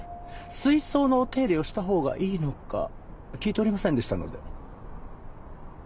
水槽のお手入れをしたほうがいいのか聞いておりませんでしたので。